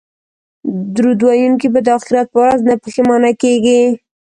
درود ویونکی به د اخرت په ورځ نه پښیمانه کیږي